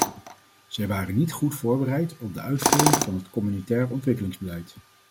Zij waren niet goed voorbereid op de uitvoering van het communautair ontwikkelingsbeleid.